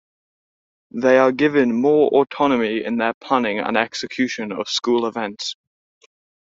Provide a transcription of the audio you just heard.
They are given more autonomy in their planning and execution of school events.